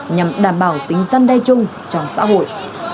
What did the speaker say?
nhằm đảm bảo tính dân đe chung trong xã hội